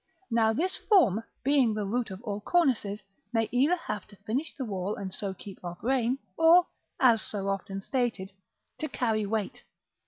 Now this form, being the root of all cornices, may either have to finish the wall and so keep off rain; or, as so often stated, to carry weight.